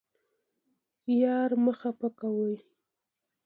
یار مه خفه کوئ